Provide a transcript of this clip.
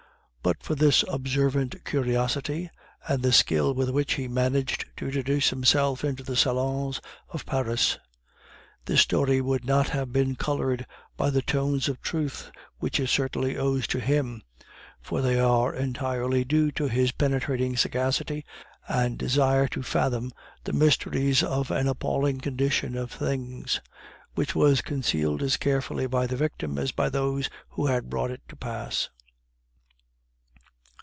But for his observant curiosity, and the skill with which he managed to introduce himself into the salons of Paris, this story would not have been colored by the tones of truth which it certainly owes to him, for they are entirely due to his penetrating sagacity and desire to fathom the mysteries of an appalling condition of things, which was concealed as carefully by the victim as by those who had brought it to pass.